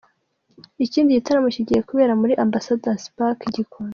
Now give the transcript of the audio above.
Ikindi gitaramo kigiye kubera muri Ambasadazi Pariki i Gikondo.